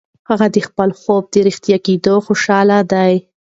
هغه د خپل خوب د رښتیا کېدو خوشاله ده.